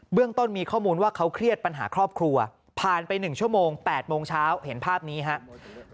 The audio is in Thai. เรื่องต้นมีข้อมูลว่าเขาเครียดปัญหาครอบครัวผ่านไป๑ชั่วโมง๘โมงเช้าเห็นภาพนี้ครับ